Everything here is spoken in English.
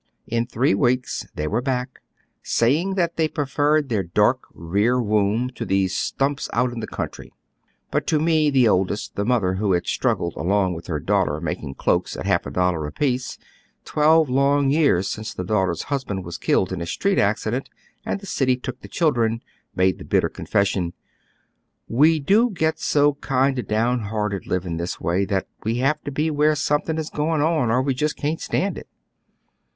In three weeks they were back, saying that they preferred tlieir dark rear room to the stumps out in the country. But to me the oldest, the mother, who had struggled along with her daughter mak ing cloaks at lialf a dollar apiece, twelve long years since the daughter's husband was killed in a street accident and the city took the children, made the bitter confession :" We do get so kind o' downhearted living this way, tliat we have to be where something is going on, or we jnst can't stand it."